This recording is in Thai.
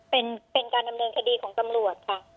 เป็นการดำเนินคดีของตำรวจค่ะ